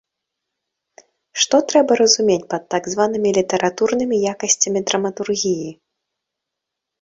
Што трэба разумець пад так званымі літаратурнымі якасцямі драматургіі?